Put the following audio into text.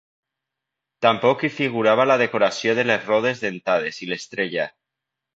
Tampoc hi figurava la decoració de les rodes dentades i l'estrella.